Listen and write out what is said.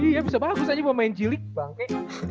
iya bisa bagus aja pemain g league bangke